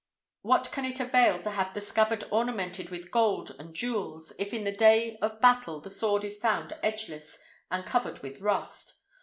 What can it avail to have the scabbard ornamented with gold and jewels, if in the day of battle the sword is found edgeless, and covered with rust?